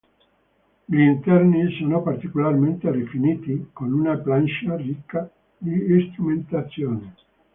Gli interni sono particolarmente rifiniti, con una plancia ricca di strumentazione.